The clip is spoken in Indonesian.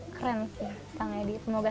keren sih kang edi semoga sehat selalu kang edi